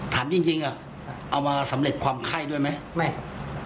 ถามจริงเอามาสำเร็จความไข้ด้วยไหมไม่ครับ